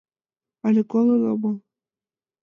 — Але колын омыл.